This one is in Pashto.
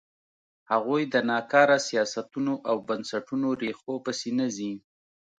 هغوی د ناکاره سیاستونو او بنسټونو ریښو پسې نه ځي.